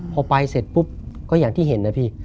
พอไปเสร็จปุ๊บก็อย่างที่เห็นนะพี่